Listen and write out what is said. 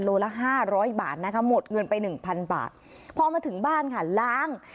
ละห้าร้อยบาทนะคะหมดเงินไปหนึ่งพันบาทพอมาถึงบ้านค่ะล้าง